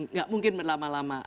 nggak mungkin berlama lama